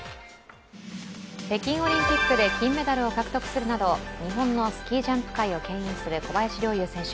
北京オリンピックで金メダルを獲得するなど日本のスキージャンプ界をけん引する小林陵侑選手。